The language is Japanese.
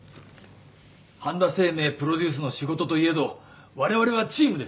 半田清明プロデュースの仕事といえどわれわれはチームです。